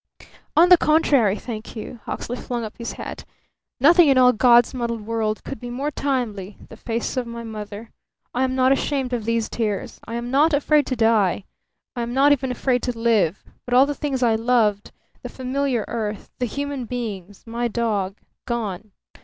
"On the contrary, thank you!" Hawksley flung up his head. "Nothing in all God's muddied world could be more timely the face of my mother! I am not ashamed of these tears. I am not afraid to die. I am not even afraid to live. But all the things I loved the familiar earth, the human beings, my dog gone.